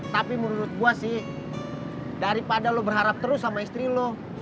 tapi menurut gue sih daripada lo berharap terus sama istri lo